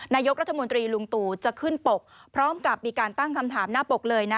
นายกรัฐมนตรีลุงตู่จะขึ้นปกพร้อมกับมีการตั้งคำถามหน้าปกเลยนะ